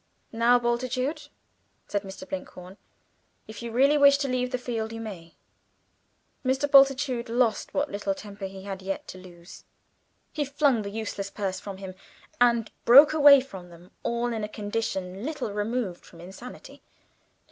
"Now, Bultitude," said Mr. Blinkhorn, "if you really wish to leave the field, you may." Mr. Bultitude lost what little temper he had yet to lose; he flung the useless purse from him and broke away from them all in a condition little removed from insanity.